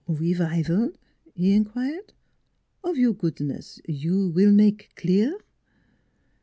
"Re vival?" he inquired; "of your goodness you will make clear?